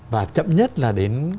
và chậm nhất là đến